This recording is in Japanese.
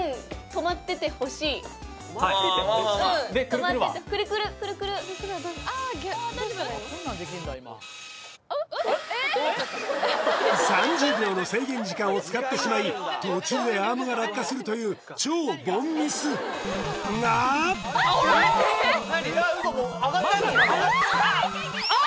止まっててクルクルクルクル３０秒の制限時間を使ってしまい途中でアームが落下するという超凡ミスが何？